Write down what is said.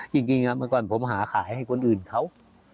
จริงเมื่อก่อนผมหาขายให้คนอื่นเขา